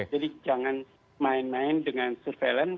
jadi jangan main main dengan surveillance